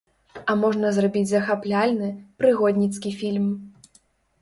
А можна зрабіць захапляльны, прыгодніцкі фільм.